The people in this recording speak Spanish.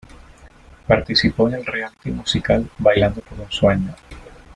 Participó en el "reality" musical "Bailando por un Sueño".